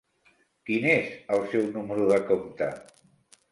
Quin és el seu número de compte?